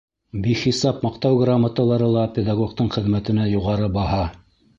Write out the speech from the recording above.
Бихисап Маҡтау грамоталары ла педагогтың хеҙмәтенә юғары баһа.